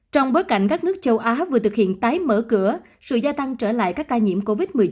trong bối cảnh các nước châu á vừa thực hiện tái mở cửa sự gia tăng trở lại các ca nhiễm covid một mươi chín